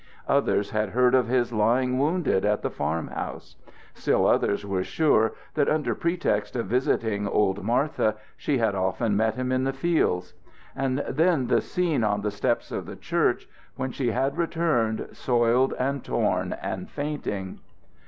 Others had heard of his lying wounded at the farm house. Still others were sure that under pretext of visiting old Martha she had often met him in the fields. And then the scene on the steps of the church, when she had returned soiled and torn and fainting.